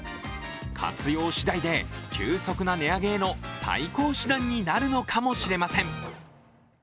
活用しだいで、急速な値上げへの対抗手段になるのかもしれません。